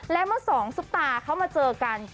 และเมื่อสองซุปตาเขามาเจอกัน